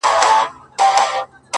راسه دروې ښيم ـ